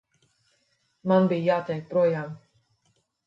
Man bija jātiek projām.